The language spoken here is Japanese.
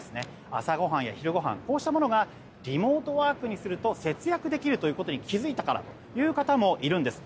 朝ごはんや昼ごはんこうしたものがリモートワークすると節約できることに気づいたからという方もいるんです。